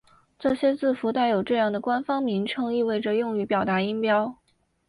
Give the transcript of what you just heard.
这些字符带有这样的官方名称意味着用于表示音标。